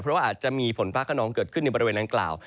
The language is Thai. เพราะว่าอาจจะมีฝนฟ้าขนองเกิดขึ้นในบริเวณดังกล่าว